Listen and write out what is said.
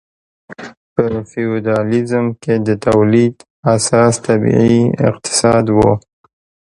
په فیوډالیزم کې د تولید اساس طبیعي اقتصاد و.